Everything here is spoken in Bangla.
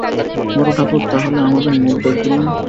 বড়োঠাকুর তা হলে আমাদের মুখ দেখবেন না।